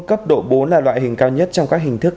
cấp độ bốn là loại hình cao nhất trong các hình thức